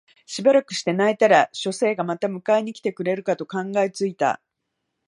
しばらくして泣いたら書生がまた迎えに来てくれるかと考え付いた